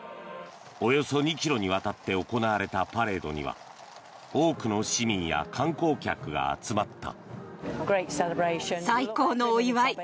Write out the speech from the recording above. およそ２ｋｍにわたって行われたパレードには多くの市民や観光客が集まった。